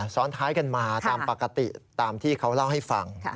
ซ้อนท้ายกันมาตามปกติตามที่เขาเล่าให้ฟัง